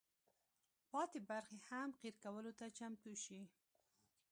پاتې برخې هم قیر کولو ته چمتو شي.